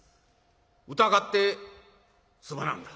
疑ってすまなんだ。